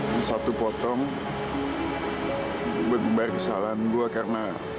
yang satu potong buat membayar kesalahan gue karena